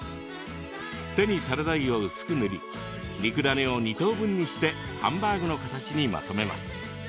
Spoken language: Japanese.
手にサラダ油を薄く塗り肉ダネを２等分にしてハンバーグの形にまとめます。